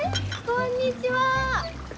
こんにちは！